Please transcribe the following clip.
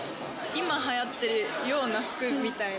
今はやっているような服みたいな。